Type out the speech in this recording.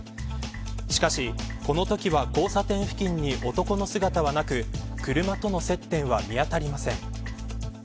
しかし、このときは交差点付近に男の姿はなく車との接点は見当たりません。